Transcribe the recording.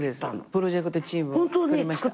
プロジェクトチームつくりました。